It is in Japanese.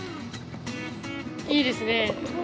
いいですね。